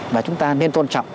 và chúng ta nên tôn trọng